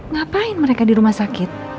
ngapain mereka di rumah sakit